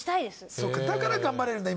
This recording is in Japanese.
そうかだから頑張れるんだ今。